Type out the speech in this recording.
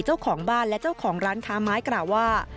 เจ้าของบ้านและเจ้าของร้านค้าไม้กล่าวว่า